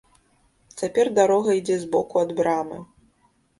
Цяпер дарога ідзе збоку ад брамы.